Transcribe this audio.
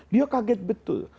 dia kaget betul